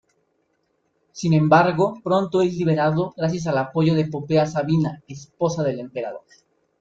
Sin embargo, pronto es liberado gracias al apoyo de Popea Sabina, esposa del emperador.